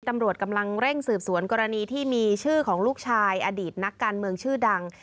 ตำรวจกำลังเร่งสืบสวนกรณีที่มีชื่อของลูกชายอดีตนักการเมืองชื่อดัง